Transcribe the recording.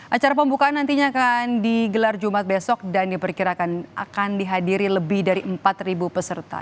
acara pembukaan nantinya akan digelar jumat besok dan diperkirakan akan dihadiri lebih dari empat peserta